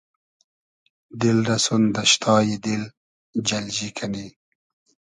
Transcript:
دیل رۂ سون دئشتای دیل جئلجی کئنی